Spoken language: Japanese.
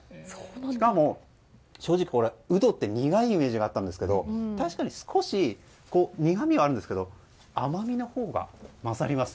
しかも、正直ウドって苦いイメージがあったんですけど確かに少し苦味はあるんですけど甘みのほうが勝ります。